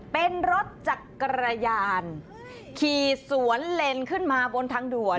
เป็นรถจักรยานขี่สวนเลนขึ้นมาบนทางด่วน